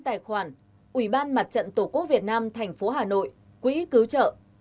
tài khoản ủy ban mặt trận tổ quốc việt nam thành phố hà nội quỹ cứu trợ